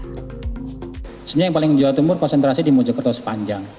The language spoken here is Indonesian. sebenarnya yang paling jawa timur konsentrasi di mojokerto sepanjang